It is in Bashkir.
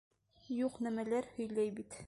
Юҡ нәмәләр һөйләй бит.